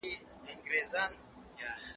بسته بندي ډیزاین کړي.